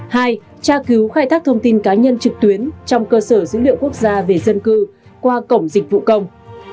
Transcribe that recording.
hai tra cứu khai thác thông tin cá nhân trực tuyến trong cơ sở dữ liệu quốc gia về dân cư qua cổng dịch vụ công